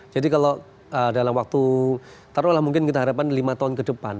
jadi kalau dalam waktu mungkin kita harapkan lima tahun ke depan